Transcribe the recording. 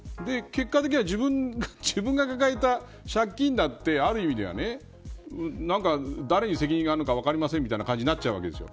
結果的には自分が抱えた借金だって誰に責任があるのか分かりませんみたいな感じなっちゃうんです。